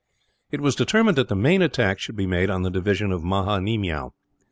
It was determined that the main attack should be made on the division of Maha Nemiow.